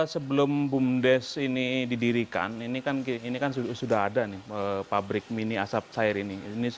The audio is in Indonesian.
sebelum bumdes ini didirikan ini kan sudah ada nih pabrik mini asap cair ini